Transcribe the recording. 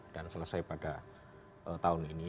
dan selesai pada tahun ini